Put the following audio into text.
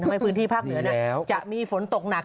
ให้พื้นที่ภาคเหนือจะมีฝนตกหนัก